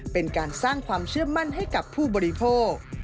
เป็นการสร้างความเชื่อมั่นให้กับผู้บริโภค